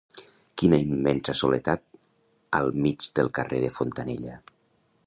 Quina immensa soledat al mig del carrer de Fontanella!